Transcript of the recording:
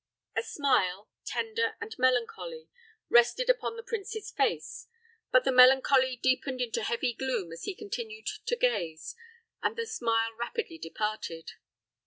A smile, tender and melancholy, rested upon the prince's face; but the melancholy deepened into heavy gloom as he continued to gaze, and the smile rapidly departed.